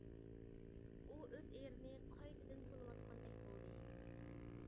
ئۇ ئۆز ئېرىنى قايتىدىن تونۇۋاتقاندەك بولدى.